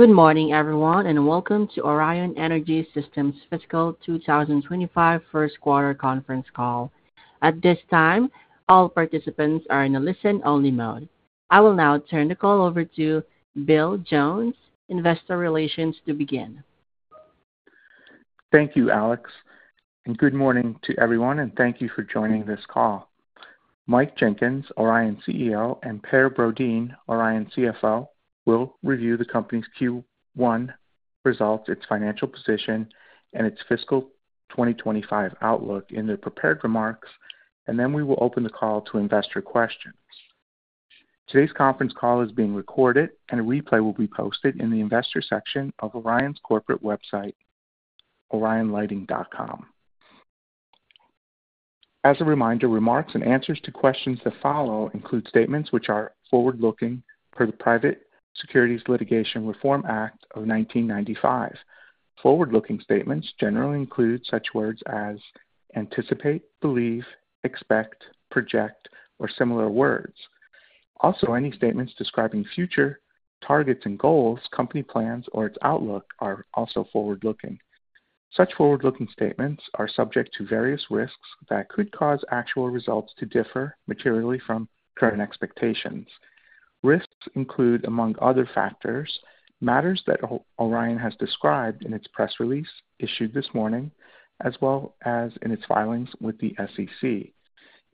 Good morning, everyone, and welcome to Orion Energy Systems Fiscal 2025 first quarter conference call. At this time, all participants are in a listen-only mode. I will now turn the call over to Bill Jones, Investor Relations, to begin. Thank you, Alex, and good morning to everyone, and thank you for joining this call. Mike Jenkins, Orion CEO, and Per Brodin, Orion CFO, will review the company's Q1 results, its financial position, and its fiscal 2025 outlook in their prepared remarks, and then we will open the call to investor questions. Today's conference call is being recorded, and a replay will be posted in the investor section of Orion's corporate website, orionlighting.com. As a reminder, remarks and answers to questions that follow include statements which are forward-looking per the Private Securities Litigation Reform Act of 1995. Forward-looking statements generally include such words as "anticipate, believe, expect, project," or similar words. Also, any statements describing future targets and goals, company plans or its outlook are also forward-looking. Such forward-looking statements are subject to various risks that could cause actual results to differ materially from current expectations. Risks include, among other factors, matters that Orion has described in its press release issued this morning, as well as in its filings with the SEC.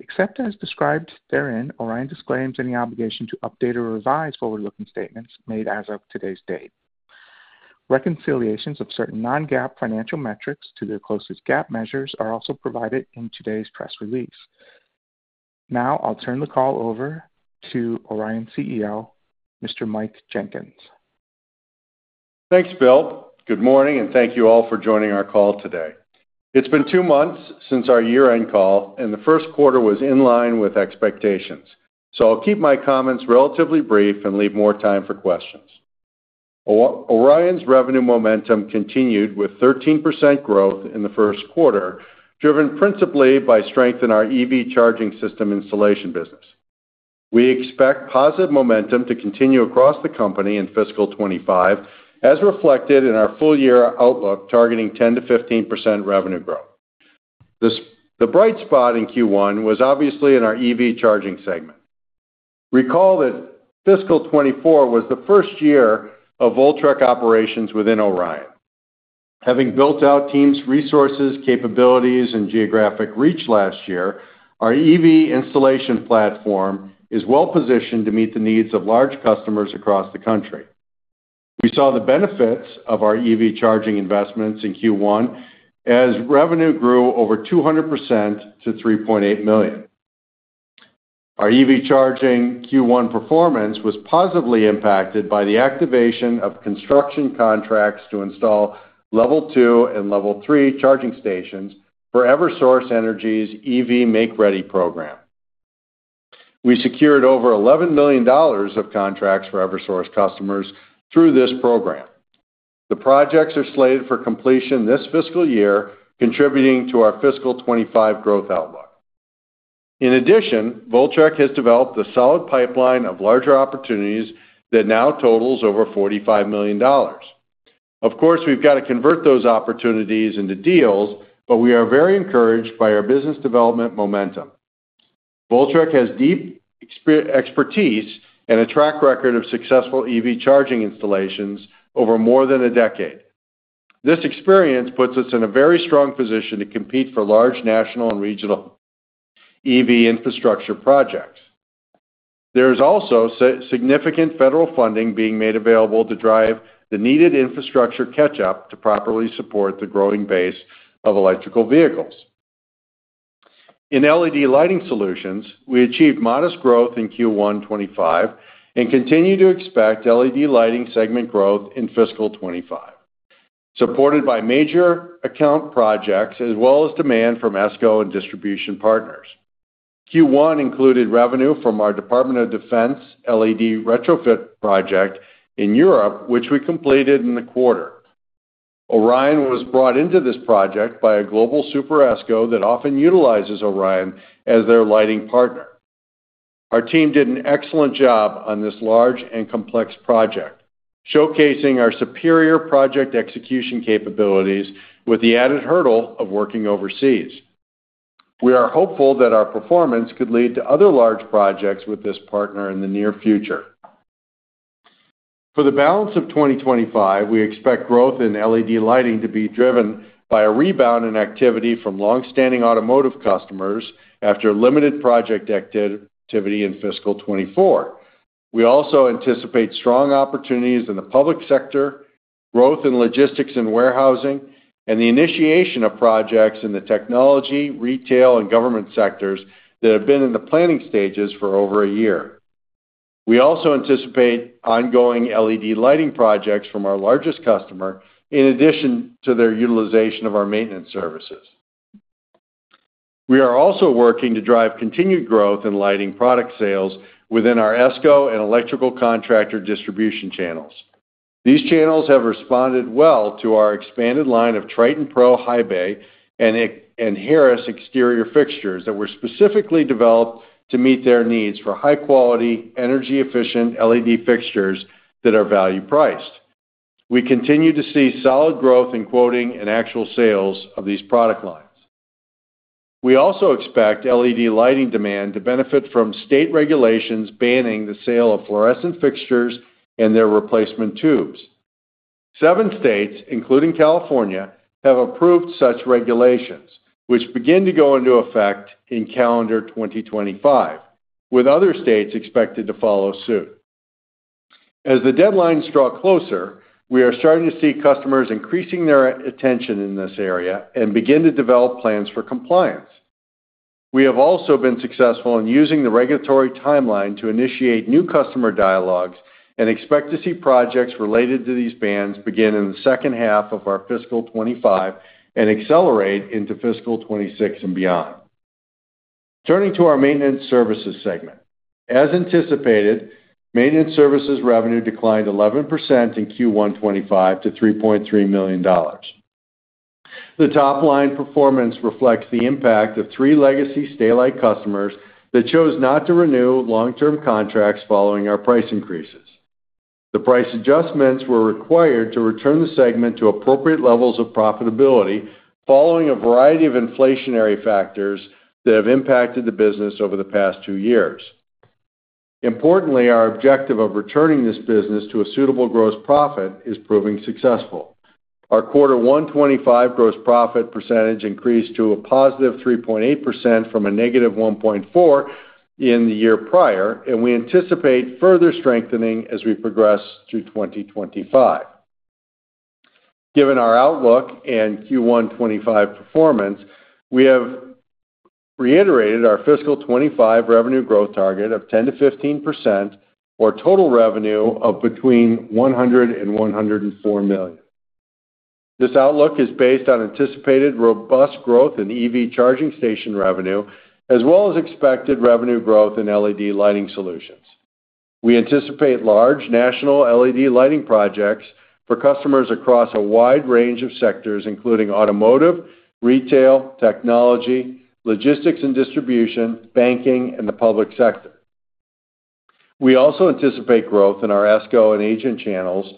Except as described therein, Orion disclaims any obligation to update or revise forward-looking statements made as of today's date. Reconciliations of certain non-GAAP financial metrics to their closest GAAP measures are also provided in today's press release. Now I'll turn the call over to Orion CEO, Mr. Mike Jenkins. Thanks, Bill. Good morning, and thank you all for joining our call today. It's been two months since our year-end call, and the first quarter was in line with expectations, so I'll keep my comments relatively brief and leave more time for questions. Orion's revenue momentum continued with 13% growth in the first quarter, driven principally by strength in our EV charging system installation business. We expect positive momentum to continue across the company in fiscal 2025, as reflected in our full year outlook, targeting 10%-15% revenue growth. The bright spot in Q1 was obviously in our EV charging segment. Recall that fiscal 2024 was the first year of Voltrek operations within Orion. Having built out teams, resources, capabilities, and geographic reach last year, our EV installation platform is well positioned to meet the needs of large customers across the country. We saw the benefits of our EV charging investments in Q1 as revenue grew over 200% to $3.8 million. Our EV charging Q1 performance was positively impacted by the activation of construction contracts to install Level 2 and Level 3 charging stations for Eversource Energy's EV Make-Ready program. We secured over $11 million of contracts for Eversource customers through this program. The projects are slated for completion this fiscal year, contributing to our fiscal 2025 growth outlook. In addition, Voltrek has developed a solid pipeline of larger opportunities that now totals over $45 million. Of course, we've got to convert those opportunities into deals, but we are very encouraged by our business development momentum. Voltrek has deep expertise and a track record of successful EV charging installations over more than a decade. This experience puts us in a very strong position to compete for large, national and regional EV infrastructure projects. There is also significant federal funding being made available to drive the needed infrastructure catch-up to properly support the growing base of electric vehicles. In LED lighting solutions, we achieved modest growth in Q1 2025 and continue to expect LED lighting segment growth in fiscal 2025, supported by major account projects as well as demand from ESCO and distribution partners. Q1 included revenue from our Department of Defense LED retrofit project in Europe, which we completed in the quarter. Orion was brought into this project by a global super ESCO that often utilizes Orion as their lighting partner. Our team did an excellent job on this large and complex project, showcasing our superior project execution capabilities with the added hurdle of working overseas. We are hopeful that our performance could lead to other large projects with this partner in the near future. For the balance of 2025, we expect growth in LED lighting to be driven by a rebound in activity from long-standing automotive customers after limited project activity in fiscal 2024. We also anticipate strong opportunities in the public sector, growth in logistics and warehousing, and the initiation of projects in the technology, retail, and government sectors that have been in the planning stages for over a year. We also anticipate ongoing LED lighting projects from our largest customer, in addition to their utilization of our maintenance services. We are also working to drive continued growth in lighting product sales within our ESCO and electrical contractor distribution channels. These channels have responded well to our expanded line of TritonPro High Bay and Harris Exterior Fixtures that were specifically developed to meet their needs for high-quality, energy-efficient LED fixtures that are value-priced. We continue to see solid growth in quoting and actual sales of these product lines. We also expect LED lighting demand to benefit from state regulations banning the sale of fluorescent fixtures and their replacement tubes. Seven states, including California, have approved such regulations, which begin to go into effect in calendar 2025, with other states expected to follow suit. As the deadlines draw closer, we are starting to see customers increasing their attention in this area and begin to develop plans for compliance. We have also been successful in using the regulatory timeline to initiate new customer dialogues and expect to see projects related to these bans begin in the second half of our fiscal 2025 and accelerate into fiscal 2026 and beyond. Turning to our maintenance services segment. As anticipated, maintenance services revenue declined 11% in Q1 2025 to $3.3 million. The top-line performance reflects the impact of three legacy Stay-Lite customers that chose not to renew long-term contracts following our price increases. The price adjustments were required to return the segment to appropriate levels of profitability, following a variety of inflationary factors that have impacted the business over the past two years. Importantly, our objective of returning this business to a suitable gross profit is proving successful. Our Q1 2025 gross profit percentage increased to a positive 3.8% from a negative 1.4% in the year prior, and we anticipate further strengthening as we progress through 2025. Given our outlook and Q1 2025 performance, we have reiterated our fiscal 2025 revenue growth target of 10%-15%, or total revenue of between $100 million and $104 million. This outlook is based on anticipated robust growth in EV charging station revenue, as well as expected revenue growth in LED lighting solutions. We anticipate large national LED lighting projects for customers across a wide range of sectors, including automotive, retail, technology, logistics and distribution, banking, and the public sector. We also anticipate growth in our ESCO and agent channels,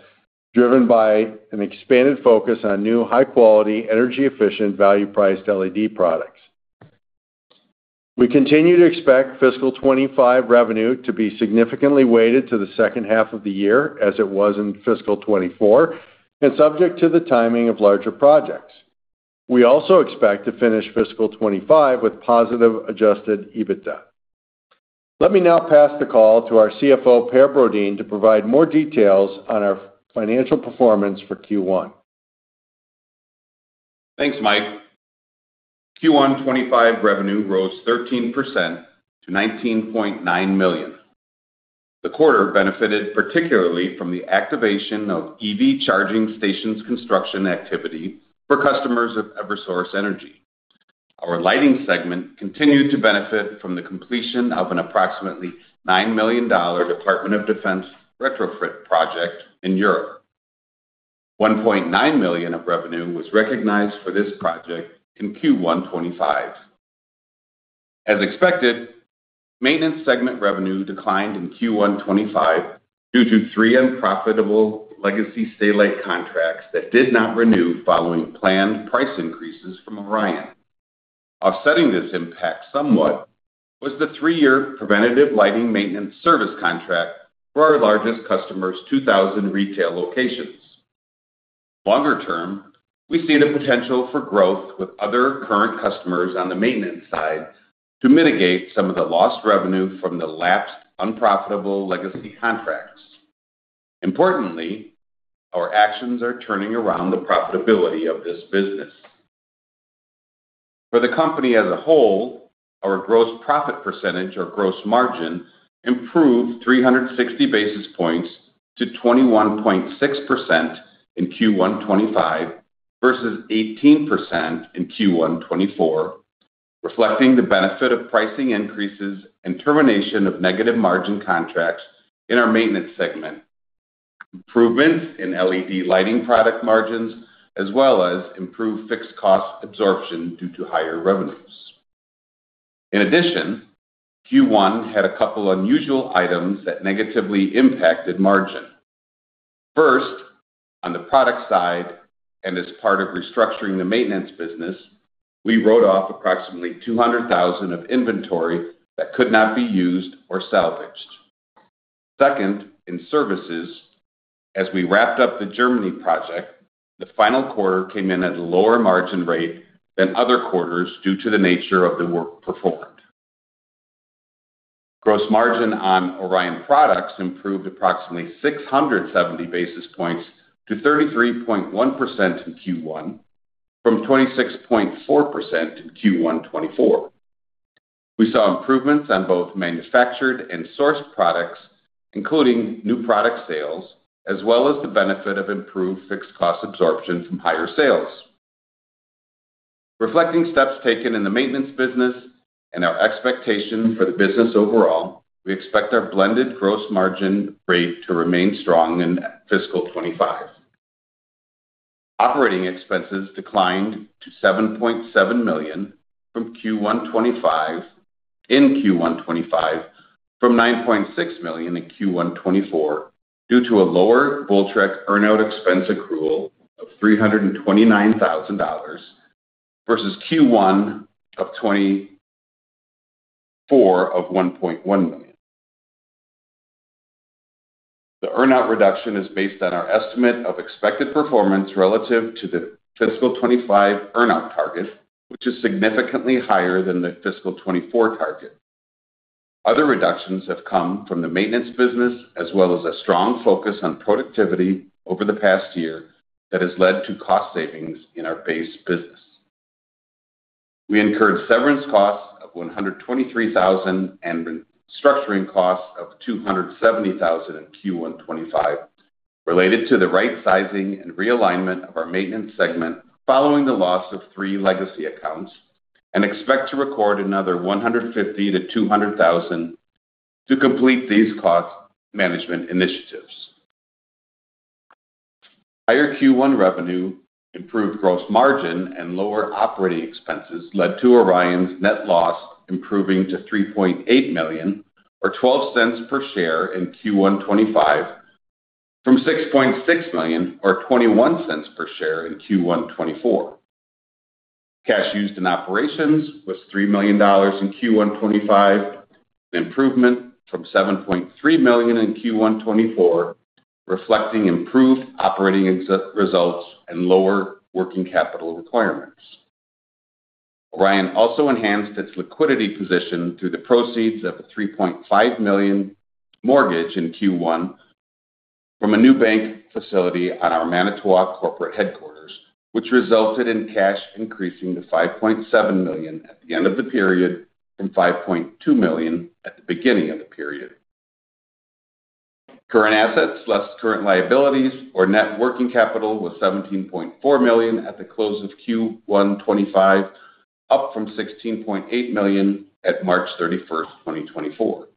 driven by an expanded focus on new, high-quality, energy-efficient, value-priced LED products. We continue to expect fiscal 2025 revenue to be significantly weighted to the second half of the year, as it was in fiscal 2024, and subject to the timing of larger projects. We also expect to finish fiscal 2025 with positive adjusted EBITDA. Let me now pass the call to our CFO, Per Brodin, to provide more details on our financial performance for Q1. Thanks, Mike. Q1 2025 revenue rose 13% to $19.9 million. The quarter benefited particularly from the activation of EV charging stations construction activity for customers of Eversource Energy. Our lighting segment continued to benefit from the completion of an approximately $9 million Department of Defense retrofit project in Europe. $1.9 million of revenue was recognized for this project in Q1 2025. As expected, maintenance segment revenue declined in Q1 2025 due to 3 unprofitable legacy Stay-Lite contracts that did not renew following planned price increases from Orion. Offsetting this impact somewhat was the 3-year preventative lighting maintenance service contract for our largest customer's 2,000 retail locations. Longer term, we see the potential for growth with other current customers on the maintenance side to mitigate some of the lost revenue from the lapsed, unprofitable legacy contracts. Importantly, our actions are turning around the profitability of this business. For the company as a whole, our gross profit percentage or gross margin improved 360 basis points to 21.6% in Q1 2025 versus 18% in Q1 2024, reflecting the benefit of pricing increases and termination of negative margin contracts in our maintenance segment, improvements in LED lighting product margins, as well as improved fixed cost absorption due to higher revenues. In addition, Q1 had a couple unusual items that negatively impacted margin. First, on the product side, and as part of restructuring the maintenance business, we wrote off approximately $200,000 of inventory that could not be used or salvaged. Second, in services, as we wrapped up the Germany project, the final quarter came in at a lower margin rate than other quarters due to the nature of the work performed. Gross margin on Orion products improved approximately 670 basis points to 33.1% in Q1 from 26.4% in Q1 2024. We saw improvements on both manufactured and sourced products, including new product sales, as well as the benefit of improved fixed cost absorption from higher sales. Reflecting steps taken in the maintenance business and our expectation for the business overall, we expect our blended gross margin rate to remain strong in fiscal 2025.... Operating expenses declined to $7.7 million in Q1 2025 from $9.6 million in Q1 2024, due to a lower Voltrek earn-out expense accrual of $329,000, versus $1.1 million in Q1 2024. The earn-out reduction is based on our estimate of expected performance relative to the fiscal 2025 earn-out target, which is significantly higher than the fiscal 2024 target. Other reductions have come from the maintenance business, as well as a strong focus on productivity over the past year that has led to cost savings in our base business. We incurred severance costs of $123,000 and restructuring costs of $270,000 in Q1 2025, related to the right sizing and realignment of our maintenance segment, following the loss of three legacy accounts, and expect to record another $150,000-$200,000 to complete these cost management initiatives. Higher Q1 revenue, improved gross margin, and lower operating expenses led to Orion's net loss, improving to $3.8 million, or $0.12 per share in Q1 2025, from $6.6 million, or $0.21 per share in Q1 2024. Cash used in operations was $3 million in Q1 2025, an improvement from $7.3 million in Q1 2024, reflecting improved operating results and lower working capital requirements. Orion also enhanced its liquidity position through the proceeds of a $3.5 million mortgage in Q1 from a new bank facility on our Manitowoc corporate headquarters, which resulted in cash increasing to $5.7 million at the end of the period, from $5.2 million at the beginning of the period. Current assets, less current liabilities, or net working capital, was $17.4 million at the close of Q1 2025, up from $16.8 million at March 31st, 2024.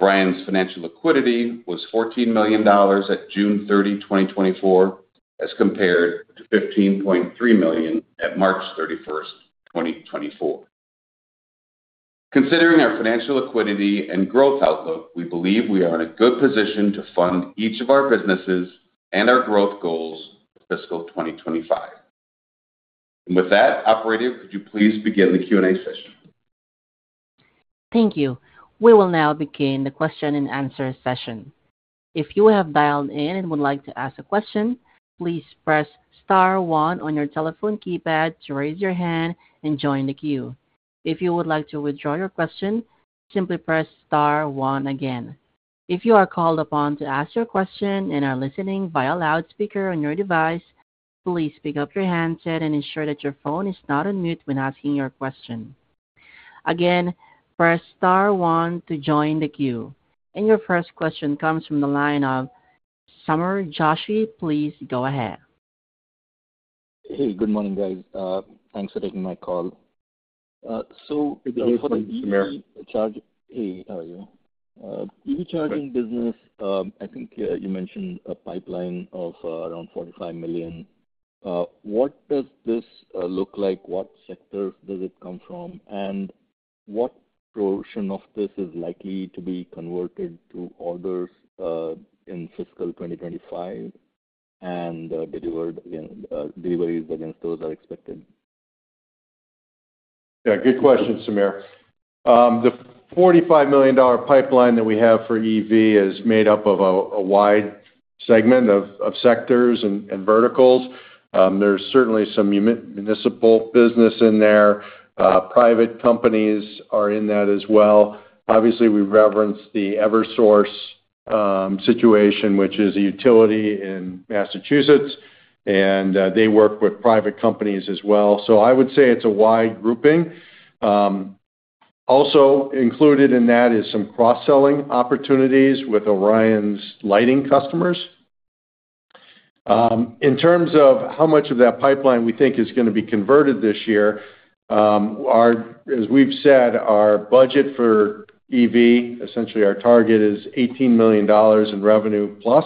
Orion's financial liquidity was $14 million at June 30, 2024, as compared to $15.3 million at March 31st, 2024. Considering our financial liquidity and growth outlook, we believe we are in a good position to fund each of our businesses and our growth goals for fiscal 2025. With that, operator, could you please begin the Q&A session? Thank you. We will now begin the question and answer session. If you have dialed in and would like to ask a question, please press star one on your telephone keypad to raise your hand and join the queue. If you would like to withdraw your question, simply press star one again. If you are called upon to ask your question and are listening via loudspeaker on your device, please pick up your handset and ensure that your phone is not on mute when asking your question. Again, press star one to join the queue. Your first question comes from the line of Sameer Joshi. Please go ahead. Hey, good morning, guys. Thanks for taking my call. So- Hey, Samir. Hey, how are you? EV charging business, I think, you mentioned a pipeline of around $45 million. What does this look like? What sectors does it come from? And what portion of this is likely to be converted to orders in fiscal 2025 and delivered again, deliveries against those are expected? Yeah, good question, Sameer. The $45 million pipeline that we have for EV is made up of a wide segment of sectors and verticals. There's certainly some municipal business in there. Private companies are in that as well. Obviously, we've referenced the Eversource situation, which is a utility in Massachusetts, and they work with private companies as well. So I would say it's a wide grouping. Also included in that is some cross-selling opportunities with Orion's lighting customers. In terms of how much of that pipeline we think is gonna be converted this year, as we've said, our budget for EV, essentially our target, is $18 million in revenue plus,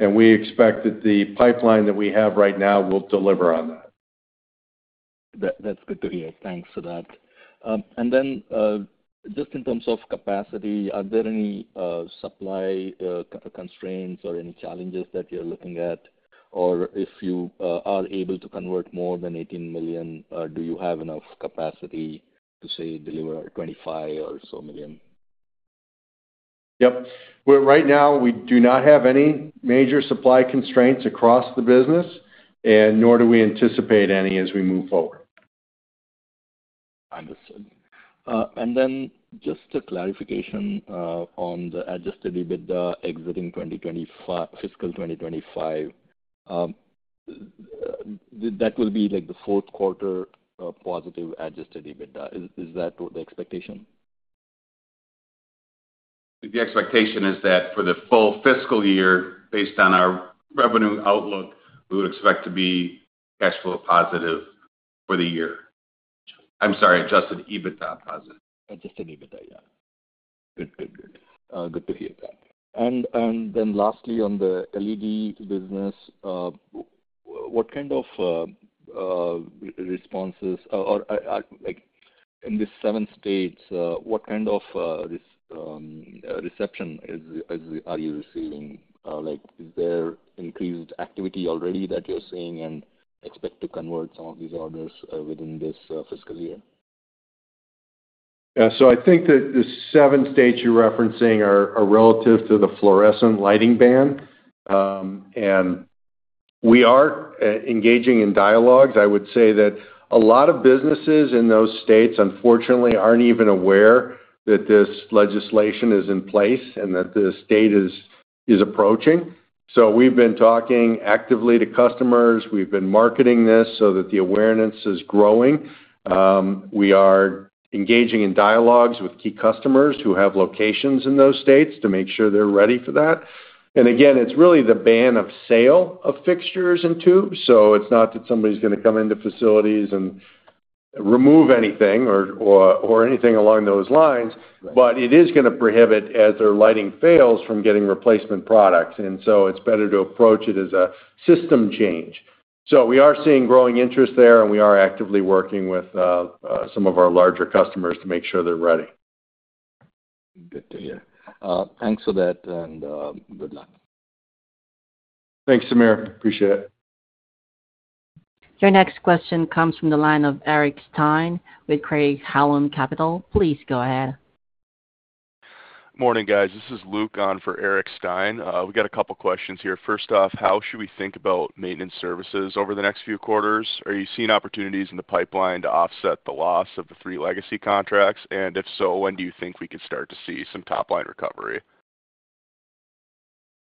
and we expect that the pipeline that we have right now will deliver on that. That, that's good to hear. Thanks for that. And then, just in terms of capacity, are there any supply constraints or any challenges that you're looking at? Or if you are able to convert more than $18 million, do you have enough capacity to, say, deliver $25 million or so? Yep. Well, right now, we do not have any major supply constraints across the business, and nor do we anticipate any as we move forward. Understood. And then just a clarification on the Adjusted EBITDA exiting 2025, fiscal 2025. That will be like the fourth quarter of positive Adjusted EBITDA. Is that what the expectation? The expectation is that for the full fiscal year, based on our revenue outlook, we would expect to be cash flow positive for the year. I'm sorry, adjusted EBITDA positive. Adjusted EBITDA, yeah. Good, good, good. Good to hear that. And then lastly, on the LED business, what kind of responses or, like, in these seven states, what kind of reception are you receiving? Like, is there increased activity already that you're seeing and expect to convert some of these orders within this fiscal year? Yeah, so I think that the seven states you're referencing are relative to the fluorescent lighting ban. And we are engaging in dialogues. I would say that a lot of businesses in those states, unfortunately, aren't even aware that this legislation is in place and that the state is approaching. So we've been talking actively to customers. We've been marketing this so that the awareness is growing. We are engaging in dialogues with key customers who have locations in those states to make sure they're ready for that. And again, it's really the ban of sale of fixtures and tubes, so it's not that somebody's gonna come into facilities and remove anything or anything along those lines. But it is gonna prohibit, as their lighting fails, from getting replacement products, and so it's better to approach it as a system change. We are seeing growing interest there, and we are actively working with some of our larger customers to make sure they're ready. Good to hear. Thanks for that, and good luck. Thanks, Sameer. Appreciate it. Your next question comes from the line of Eric Stine with Craig-Hallum Capital. Please go ahead. Morning, guys. This is Luke on for Eric Stine. We got a couple questions here. First off, how should we think about maintenance services over the next few quarters? Are you seeing opportunities in the pipeline to offset the loss of the three legacy contracts? And if so, when do you think we could start to see some top-line recovery?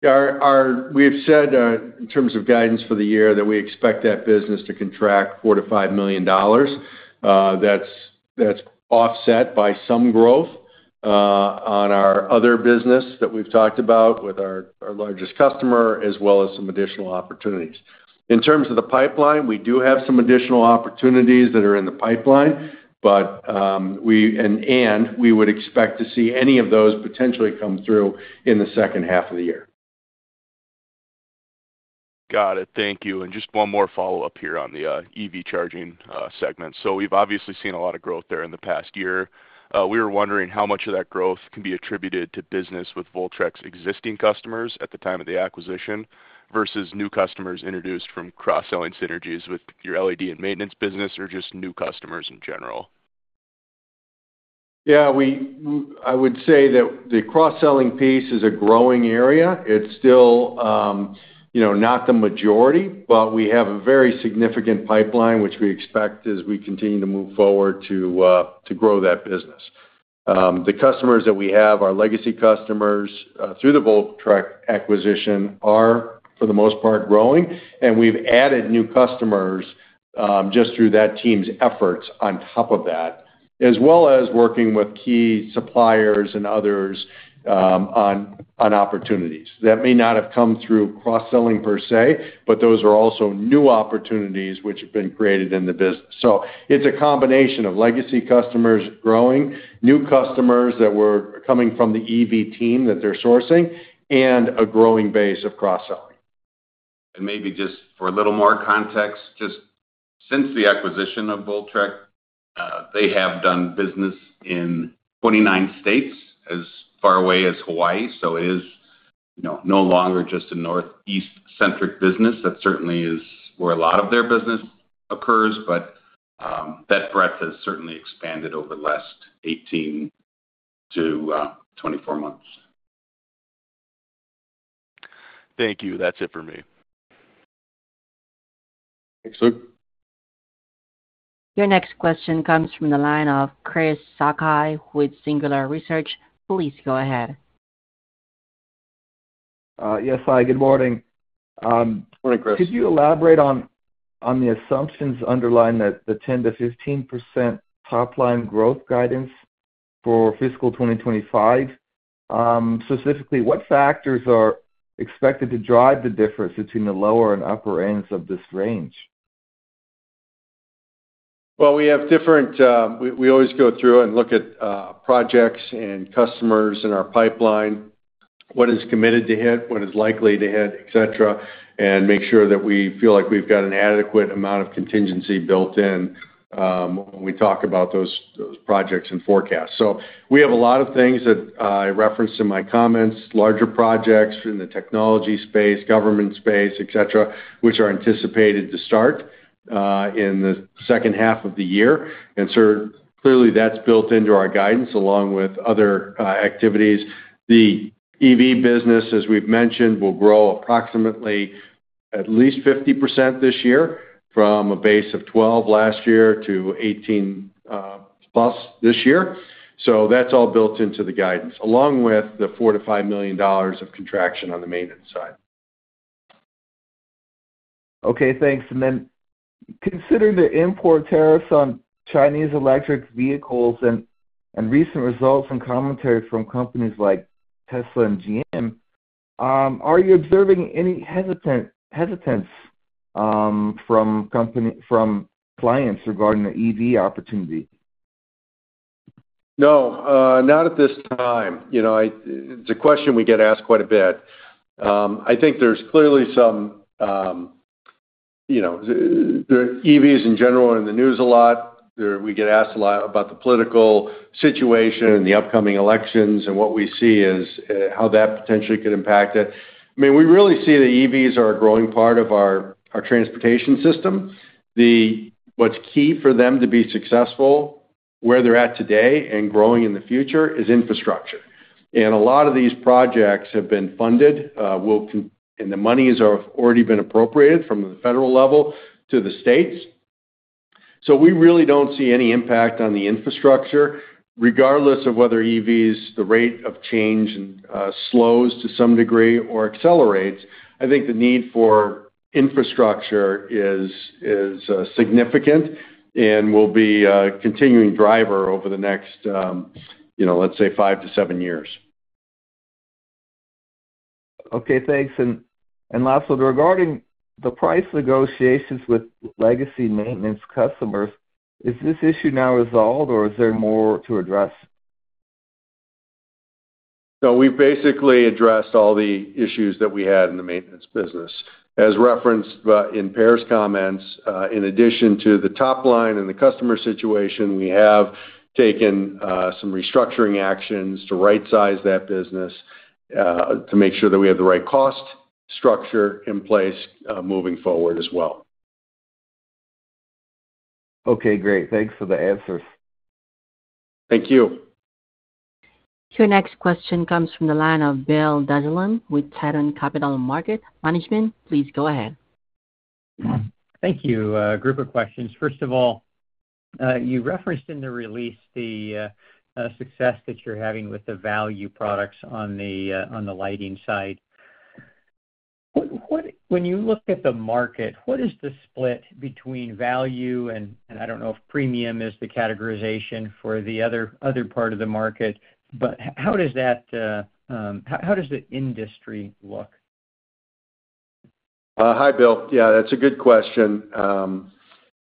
We have said, in terms of guidance for the year, that we expect that business to contract $4 million-$5 million. That's offset by some growth on our other business that we've talked about with our largest customer, as well as some additional opportunities. In terms of the pipeline, we do have some additional opportunities that are in the pipeline, but we would expect to see any of those potentially come through in the second half of the year. Got it. Thank you. Just one more follow-up here on the EV charging segment. We've obviously seen a lot of growth there in the past year. We were wondering how much of that growth can be attributed to business with Voltrek's existing customers at the time of the acquisition, versus new customers introduced from cross-selling synergies with your LED and maintenance business or just new customers in general? Yeah, I would say that the cross-selling piece is a growing area. It's still, you know, not the majority, but we have a very significant pipeline, which we expect as we continue to move forward to, to grow that business. The customers that we have, our legacy customers, through the Voltrek acquisition are, for the most part, growing, and we've added new customers, just through that team's efforts on top of that, as well as working with key suppliers and others, on opportunities. That may not have come through cross-selling per se, but those are also new opportunities which have been created in the business. So it's a combination of legacy customers growing, new customers that were coming from the EV team that they're sourcing, and a growing base of cross-selling. Maybe just for a little more context, just since the acquisition of Voltrek, they have done business in 29 states as far away as Hawaii, so it is, you know, no longer just a Northeast-centric business. That certainly is where a lot of their business occurs, but that breadth has certainly expanded over the last 18-24 months. Thank you. That's it for me. Thanks, Luke. Your next question comes from the line of Chris Sakai with Singular Research. Please go ahead. Yes. Hi, good morning. Morning, Chris. Could you elaborate on, on the assumptions underlying the, the 10%-15% top-line growth guidance for fiscal 2025? Specifically, what factors are expected to drive the difference between the lower and upper ends of this range? Well, we have different. We always go through and look at projects and customers in our pipeline, what is committed to hit, what is likely to hit, et cetera, and make sure that we feel like we've got an adequate amount of contingency built in, when we talk about those projects and forecasts. So we have a lot of things that I referenced in my comments, larger projects in the technology space, government space, et cetera, which are anticipated to start in the second half of the year. And so clearly, that's built into our guidance, along with other activities. The EV business, as we've mentioned, will grow approximately at least 50% this year, from a base of $12 million last year to $18+ million this year. That's all built into the guidance, along with the $4 million-$5 million of contraction on the maintenance side. Okay, thanks. And then, considering the import tariffs on Chinese electric vehicles and recent results and commentary from companies like Tesla and GM-... are you observing any hesitance from clients regarding the EV opportunity? No, not at this time. You know, it's a question we get asked quite a bit. I think there's clearly some, you know, the EVs, in general, are in the news a lot. We get asked a lot about the political situation and the upcoming elections, and what we see is, how that potentially could impact it. I mean, we really see the EVs are a growing part of our transportation system. What's key for them to be successful, where they're at today and growing in the future, is infrastructure. And a lot of these projects have been funded, and the monies have already been appropriated from the federal level to the states. So we really don't see any impact on the infrastructure. Regardless of whether EVs, the rate of change slows to some degree or accelerates, I think the need for infrastructure is significant and will be a continuing driver over the next, you know, let's say, 5 to 7 years. Okay, thanks. And lastly, regarding the price negotiations with legacy maintenance customers, is this issue now resolved, or is there more to address? So we've basically addressed all the issues that we had in the maintenance business. As referenced by, in Per's comments, in addition to the top line and the customer situation, we have taken, some restructuring actions to rightsize that business, to make sure that we have the right cost structure in place, moving forward as well. Okay, great. Thanks for the answers. Thank you. Your next question comes from the line of Bill Dezellem with Tieton Capital Management. Please go ahead. Thank you. A group of questions. First of all, you referenced in the release the success that you're having with the value products on the lighting side. What—when you look at the market, what is the split between value and I don't know if premium is the categorization for the other part of the market, but how does that, how does the industry look? Hi, Bill. Yeah, that's a good question.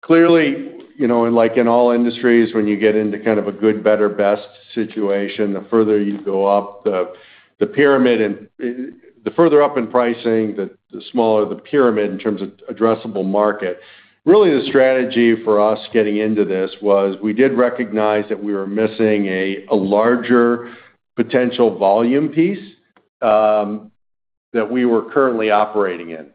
Clearly, you know, and like in all industries, when you get into kind of a good, better, best situation, the further you go up the pyramid, and the further up in pricing, the smaller the pyramid in terms of addressable market. Really, the strategy for us getting into this was we did recognize that we were missing a larger potential volume piece that we were currently operating in.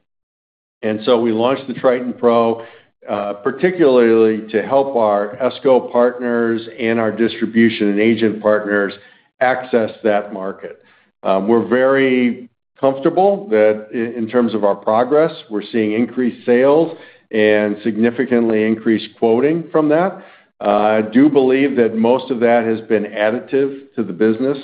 And so we launched the Triton Pro, particularly to help our ESCO partners and our distribution and agent partners access that market. We're very comfortable that in terms of our progress, we're seeing increased sales and significantly increased quoting from that. I do believe that most of that has been additive to the business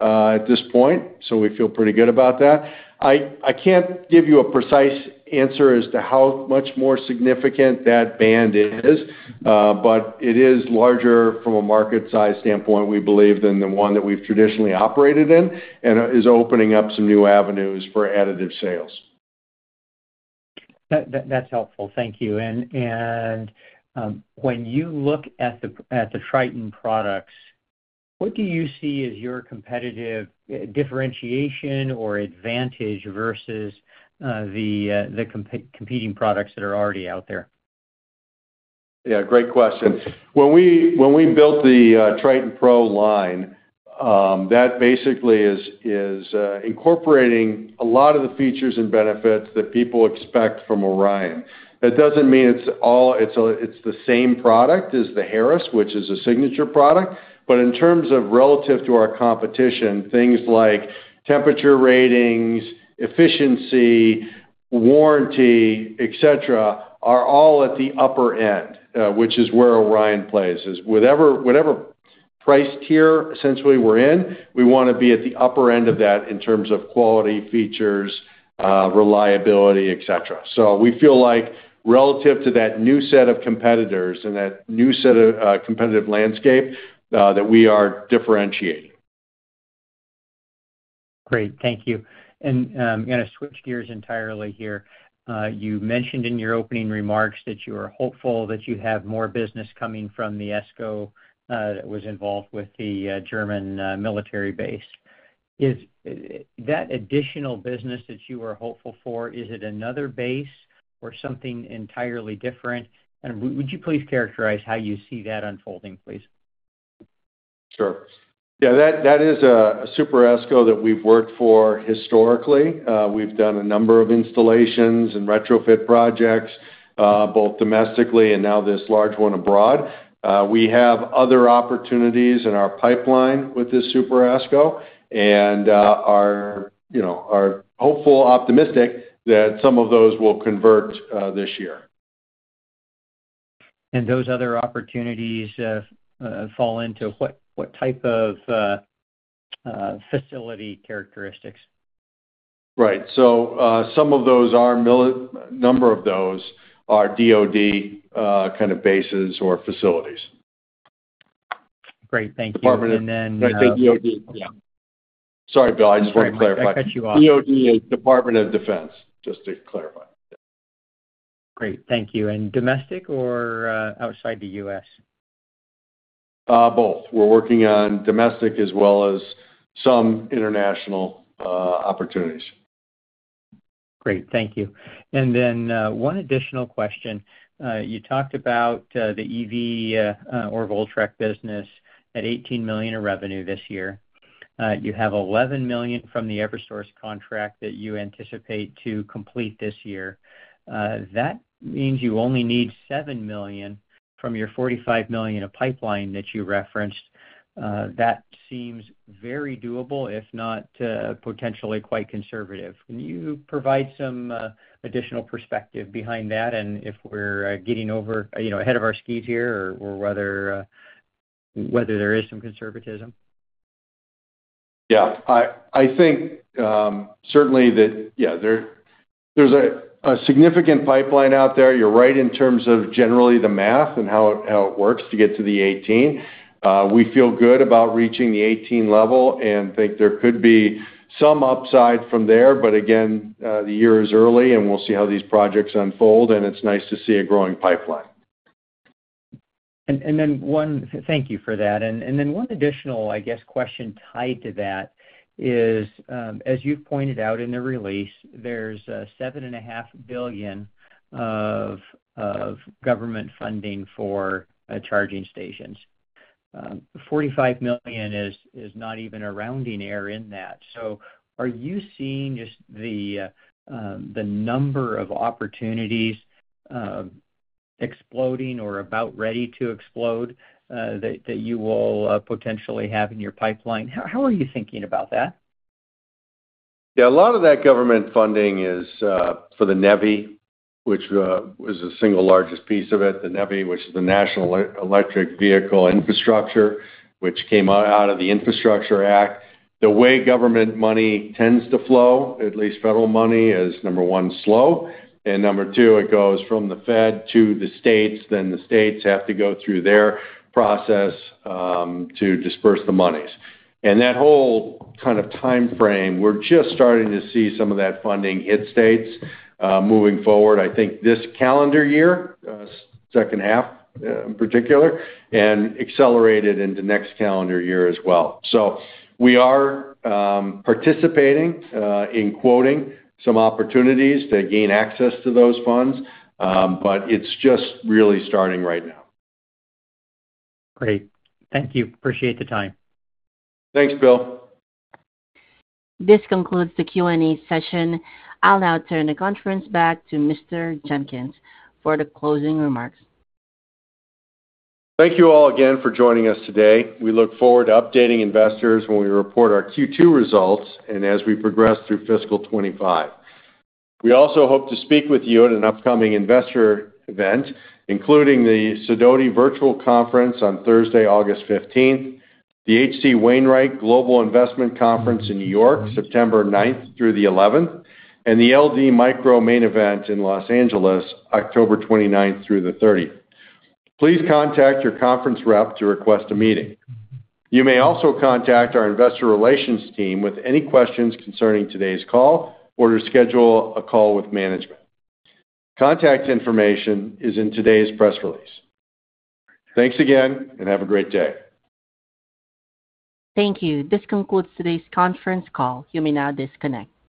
at this point, so we feel pretty good about that. I can't give you a precise answer as to how much more significant that band is, but it is larger from a market size standpoint, we believe, than the one that we've traditionally operated in, and is opening up some new avenues for additive sales. That's helpful. Thank you. When you look at the Triton products, what do you see as your competitive differentiation or advantage versus the competing products that are already out there? Yeah, great question. When we, when we built the Triton Pro line, that basically is incorporating a lot of the features and benefits that people expect from Orion. That doesn't mean it's all, it's the same product as the Harris, which is a signature product. But in terms of relative to our competition, things like temperature ratings, efficiency, warranty, et cetera, are all at the upper end, which is where Orion plays. In whatever price tier, essentially, we're in, we wanna be at the upper end of that in terms of quality, features, reliability, et cetera. So we feel like relative to that new set of competitors and that new set of competitive landscape, that we are differentiating. Great. Thank you. And, I'm gonna switch gears entirely here. You mentioned in your opening remarks that you are hopeful that you have more business coming from the ESCO that was involved with the German military base. Is that additional business that you are hopeful for, is it another base or something entirely different? And would you please characterize how you see that unfolding, please? Sure. Yeah, that, that is a super ESCO that we've worked for historically. We've done a number of installations and retrofit projects, both domestically and now this large one abroad. We have other opportunities in our pipeline with this super ESCO and, you know, are hopeful, optimistic that some of those will convert this year. And those other opportunities, fall into what, what type of, facility characteristics? Right. So, some of those are, a number of those are DoD kind of bases or facilities.... Great, thank you. Department of- And then, Right, the DoD, yeah. Sorry, Bill, I just wanted to clarify. I cut you off. DoD is Department of Defense, just to clarify. Great. Thank you. And domestic or, outside the U.S.? Both. We're working on domestic as well as some international opportunities. Great, thank you. And then, one additional question. You talked about the EV or Voltrek business at $18 million in revenue this year. You have $11 million from the Eversource contract that you anticipate to complete this year. That means you only need $7 million from your $45 million in pipeline that you referenced. That seems very doable, if not potentially quite conservative. Can you provide some additional perspective behind that? And if we're getting over, you know, ahead of our skis here or whether there is some conservatism? Yeah. I think certainly that, yeah, there's a significant pipeline out there. You're right in terms of generally the math and how it works to get to the 18. We feel good about reaching the 18 level and think there could be some upside from there, but again, the year is early, and we'll see how these projects unfold, and it's nice to see a growing pipeline. Thank you for that. And then one additional, I guess, question tied to that is, as you've pointed out in the release, there's $7.5 billion of government funding for charging stations. $45 million is not even a rounding error in that. So are you seeing just the number of opportunities exploding or about ready to explode that you will potentially have in your pipeline? How are you thinking about that? Yeah. A lot of that government funding is for the NEVI, which is the single largest piece of it, the NEVI, which is the National Electric Vehicle Infrastructure, which came out of the Infrastructure Act. The way government money tends to flow, at least federal money, is number 1, slow, and number 2, it goes from the Fed to the states, then the states have to go through their process to disperse the monies. And that whole kind of timeframe, we're just starting to see some of that funding hit states moving forward. I think this calendar year, second half, in particular, and accelerated into next calendar year as well. So we are participating in quoting some opportunities to gain access to those funds, but it's just really starting right now. Great. Thank you. Appreciate the time. Thanks, Bill. This concludes the Q&A session. I'll now turn the conference back to Mr. Jenkins for the closing remarks. Thank you all again for joining us today. We look forward to updating investors when we report our Q2 results and as we progress through fiscal 25. We also hope to speak with you at an upcoming investor event, including the Sidoti Virtual Conference on Thursday, August 15, the H.C. Wainwright Global Investment Conference in New York, September 9 through the 11, and the LD Micro Main Event in Los Angeles, October 29 through the 30. Please contact your conference rep to request a meeting. You may also contact our investor relations team with any questions concerning today's call or to schedule a call with management. Contact information is in today's press release. Thanks again, and have a great day. Thank you. This concludes today's conference call. You may now disconnect.